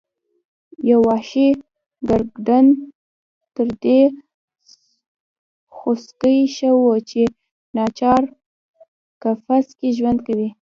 یو وحشي ګرګدن تر دې خوسکي ښه و چې ناچار قفس کې ژوند کوي.